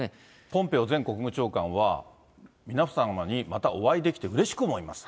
ポンペオ前国務長官は、皆様にまたお会いできてうれしく思います。